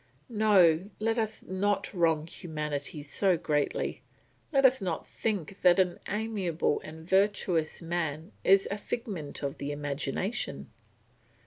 No, let us not wrong humanity so greatly, let us not think that an amiable and virtuous man is a figment of the imagination.